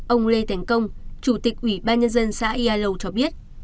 ông lê thánh công chủ tịch ủy ban nhân dân xã yai lâu cho biết